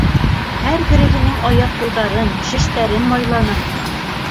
Һәр береһенең аяҡ-ҡулдарын, шештәрен майланым.